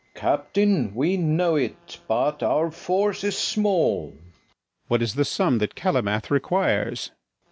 Captain, we know it; but our force is small. MARTIN DEL BOSCO. What is the sum that Calymath requires?